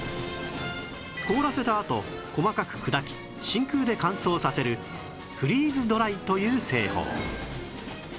凍らせたあと細かく砕き真空で乾燥させるフリーズドライという製法